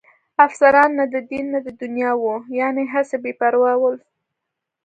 افسران نه د دین نه د دنیا وو، یعنې هسې بې پروا ول.